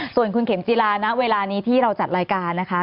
ส่วนคุณเข็มจิลาณเวลานี้ที่เราจัดรายการนะคะ